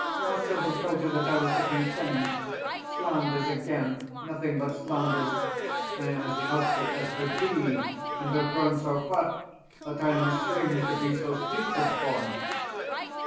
Also, who told you that I was looking thin? Slanders again nothing but slanders! I am as healthy as could be, and have grown so fat that I am ashamed to be so sleek of paunch.